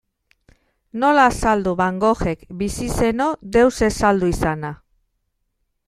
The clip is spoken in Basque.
Nola azaldu Van Goghek, bizi zeno, deus ez saldu izana?